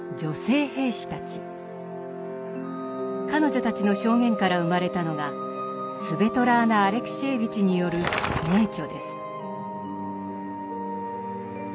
彼女たちの証言から生まれたのがスヴェトラーナ・アレクシエーヴィチによる名著です。